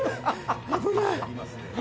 危ない。